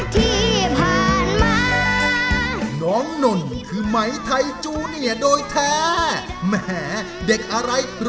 ขอบคุณครับ